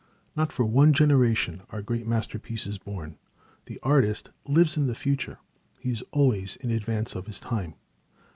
Not for one generation are great masterpieces born. The artist lives in the future; he is always in advance of his time.